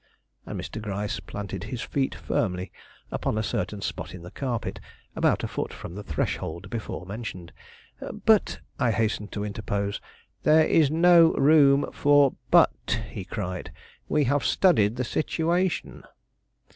And Mr. Gryce planted his feet firmly upon a certain spot in the carpet, about a foot from the threshold before mentioned. "But " I hastened to interpose. "There is no room for 'but,'" he cried. "We have studied the situation."